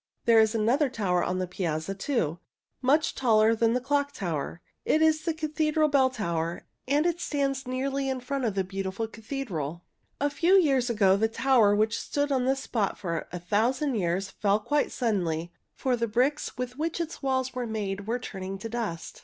There is another tower on the piazza, too, much taller than the Clock Tower. It is the Cathedral Bell Tower, and it stands nearly in front of the beautiful cathedral. A few years ago the tower which had stood on this spot for a thousand years fell quite suddenly, for the bricks with which its walls were made were turning to dust.